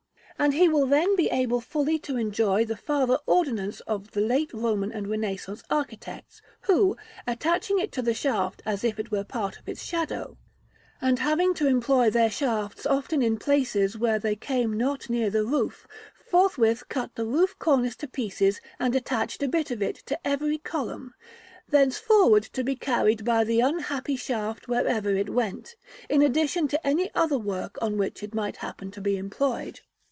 And he will then be able fully to enjoy the farther ordinance of the late Roman and Renaissance architects, who, attaching it to the shaft as if it were part of its shadow, and having to employ their shafts often in places where they came not near the roof, forthwith cut the roof cornice to pieces and attached a bit of it to every column; thenceforward to be carried by the unhappy shaft wherever it went, in addition to any other work on which it might happen to be employed.